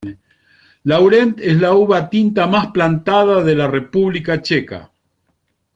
Laurent es la uva tinta más plantada de la República Checa.